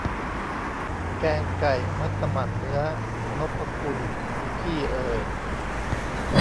แกงไก่มัสหมั่นเนื้อ นพคุณ พี่เอย